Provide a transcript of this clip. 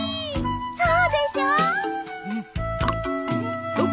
そうでしょ。